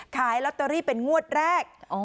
ขายลอตเตอรี่เป็นงวดแรก